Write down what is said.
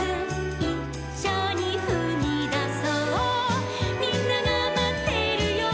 「『いっしょにふみだそうみんながまってるよ』」